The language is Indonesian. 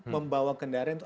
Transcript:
membawa kendaraan itu